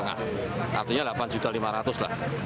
artinya delapan lima ratus lah